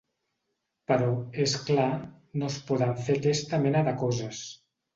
Però, és clar, no es poden fer aquesta mena de coses.